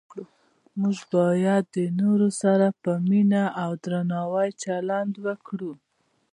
موږ باید د نورو سره په مینه او درناوي چلند وکړو